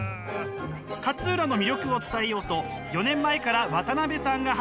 勝浦の魅力を伝えようと４年前から渡辺さんが始めた朝市。